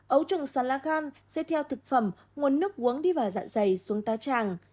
ố trùng sán lá gan sẽ theo thực phẩm nguồn nước uống đi vào dạ dày xuống tá tràng